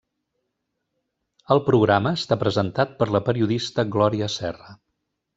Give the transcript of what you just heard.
El programa està presentat per la periodista Glòria Serra.